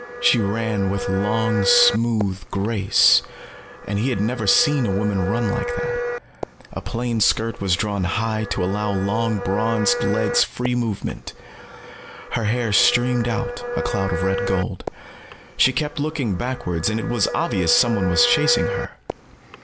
She ran with long smooth grace, and he had never seen a woman run like that. A plain skirt was drawn high to allow long bronzed legs free movement. Her hair streamed out, a cloud of red gold. She kept looking backwards and it was obvious someone was chasing her.